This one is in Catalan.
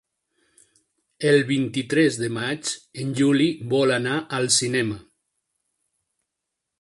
El vint-i-tres de maig en Juli vol anar al cinema.